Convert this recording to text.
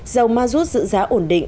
dầu ma rút giữ giá ổn định